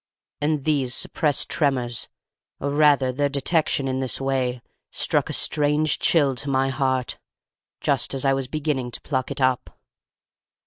And these suppressed tremors, or rather their detection in this way, struck a strange chill to my heart, just as I was beginning to pluck it up.